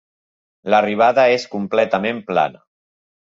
L'arribada és completament plana.